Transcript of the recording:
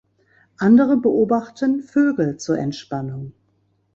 Andere beobachten Vögel zur Entspannung.